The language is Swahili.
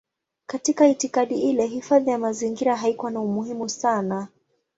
Katika itikadi ile hifadhi ya mazingira haikuwa na umuhimu sana.